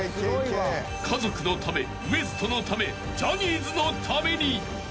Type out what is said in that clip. ［家族のためＷＥＳＴのためジャニーズのために］